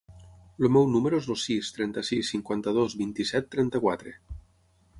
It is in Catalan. El meu número es el sis, trenta-sis, cinquanta-dos, vint-i-set, trenta-quatre.